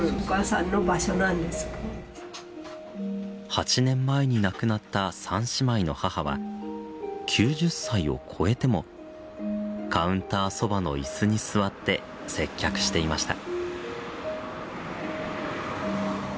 ８年前に亡くなった三姉妹の母は９０歳を超えてもカウンターそばの椅子に座って接客していました。